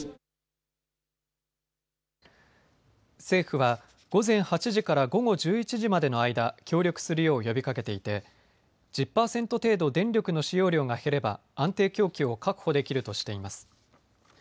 政府は午前８時から午後１１時までの間、協力するよう呼びかけていて１０％程度、電力の使用量が減れば安定供給を確保できるとしています。